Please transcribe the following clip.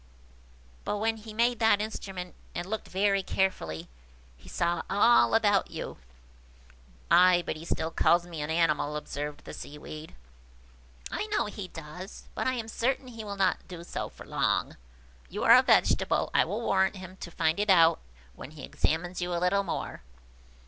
But when he made that instrument, and looked very carefully, he saw all about you." "Ay, but he still calls me an animal," observed the Seaweed. "I know he does, but I am certain he will not do so long! If you are a vegetable, I will warrant him to find it out when he examines you a little more."